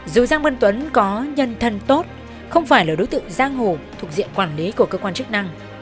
dù giang văn tuấn có nhân thân tốt không phải là đối tượng giang hồ thuộc diện quản lý của cơ quan chức năng